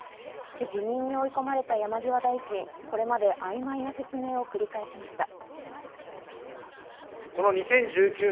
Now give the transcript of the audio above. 辞任に追い込まれた山際大臣、これまで曖昧な説明を繰り返しました。